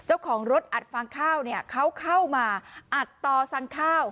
เจ้าของรถอัดฟางข้าวเนี่ยเขาเข้ามาอัดต่อสั่งข้าว